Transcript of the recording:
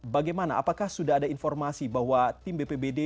bagaimana apakah sudah ada informasi bahwa tim bpbd